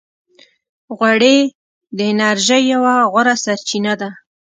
غوړې د انرژۍ یوه غوره سرچینه ده.